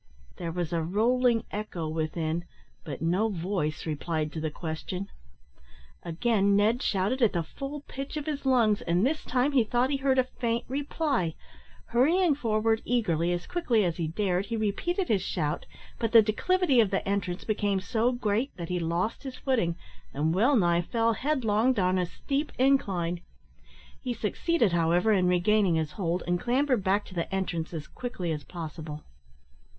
There was a rolling echo within, but no voice replied to the question. Again Ned shouted at the full pitch of his lungs, and this time he thought he heard a faint reply. Hurrying forward eagerly, as quickly as he dared, he repeated his shout, but the declivity of the entrance became so great that he lost his footing and well nigh fell headlong down a steep incline. He succeeded, however, in regaining his hold, and clambered back to the entrance as quickly as possible.